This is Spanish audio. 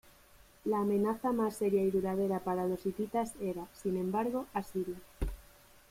La amenaza más seria y duradera para los hititas era, sin embargo, Asiria.